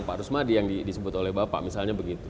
pak rusmadi yang disebut oleh bapak misalnya begitu